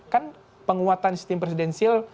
kan penguatan sistem presidensil